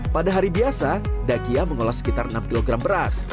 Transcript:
pada hari biasa dakia mengolah sekitar enam kg beras